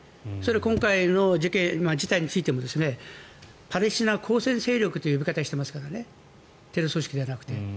今回の事態についてもパレスチナ抗戦勢力という呼び方をしていますからねテロ組織じゃなくて。